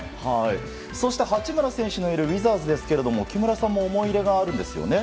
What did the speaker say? そして、八村選手のいるウィザーズですが木村さんも思い入れがあるんですよね。